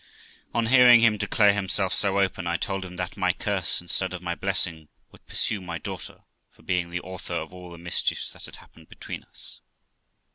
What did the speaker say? On hearing him declare himself so open, I told him that my curse instead of my blessing would pursue my daughter for being the author of all the mischiefs that had happened between us.